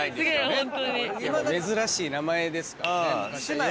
珍しい名前ですからね。